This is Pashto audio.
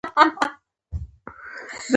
زه په پاکو کالو کښي ګرځم.